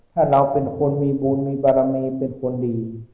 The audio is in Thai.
ถ้าเราเป็นคนมีบุญมีบารมีเป็นคนดี